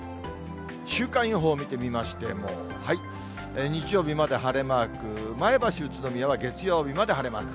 週間予報見てみましても、日曜日まで晴れマーク、前橋、宇都宮は、月曜日まで晴れマーク。